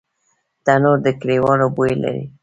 تنور د کلیوالو بوی لري